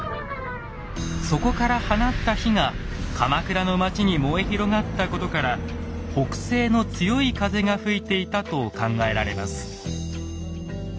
そこから放った火が鎌倉の町に燃え広がったことから北西の強い風が吹いていたと考えられます。